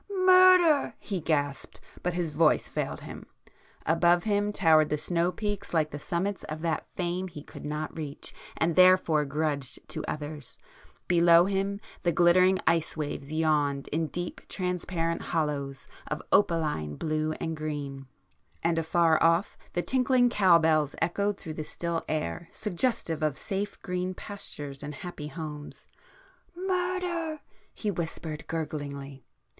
—murder!' he gasped, but his voice failed him. Above him towered the snow peaks like the summits of that Fame he could not reach and therefore grudged to others,—below him the glittering ice waves yawned in deep transparent hollows of opaline blue and green,—and afar off the tinkling cowbells echoed through the still air, suggestive of safe green pastures and happy homes. 'Murder!' he whispered gurglingly.